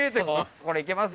これいけますよ。